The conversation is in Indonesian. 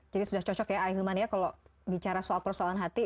jadi sudah cocok ya ailman ya kalau bicara soal persoalan hati